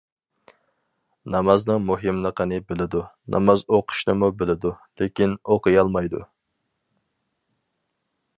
نامازنىڭ مۇھىملىقىنى بىلىدۇ، ناماز ئوقۇشنىمۇ بىلىدۇ، لېكىن ئوقۇيالمايدۇ.